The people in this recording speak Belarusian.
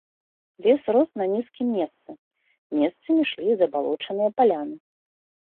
Лес рос на нізкім месцы, месцамі ішлі забалочаныя паляны.